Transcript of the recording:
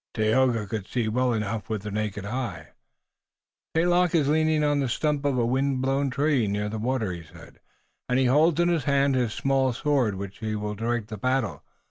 Tayoga could see well enough with the naked eye. "St. Luc is leaning on the stump of a wind blown tree near the water," he said, "and he holds in his hand his small sword with which he will direct the battle.